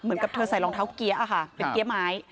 เหมือนกับเธอใส่รองเท้าเกี้ยค่ะเป็นเกี้ยไม้